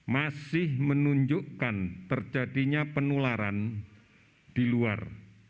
masih menunjukkan terjadinya penularan di luar